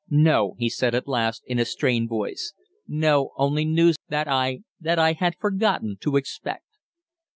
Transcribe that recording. "No," he said at last, in a strained voice. "No. Only news that I that I had forgotten to expect."